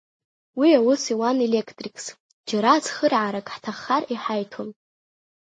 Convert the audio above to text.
Уи аус иуан електрикс, џьара цхыраарак ҳҭаххар иҳаиҭон.